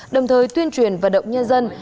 đồng thời tuyên truyền và động nhân dân